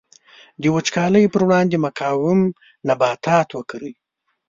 د وچکالۍ پر وړاندې مقاوم نباتات وکري.